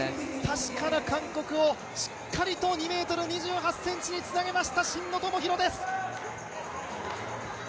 確かな感覚を、しっかりと２ｍ２８ｃｍにつなげました、真野友博です。